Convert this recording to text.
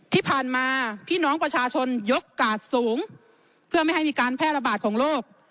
ที่ผ่านมาพี่น้องประชาชนยกกาดสูงเพื่อไม่ให้มีการแพร่ระบาดของโรค